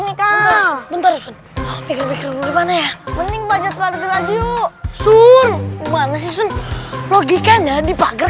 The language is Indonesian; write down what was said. nih kak bentar bentar gimana ya mending baju baju suruh mana sih logikanya dipakai